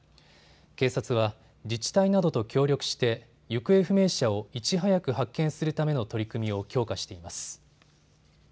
警察は自治体などと協力して行方不明者をいち早く発見するための取り組みを強化しています。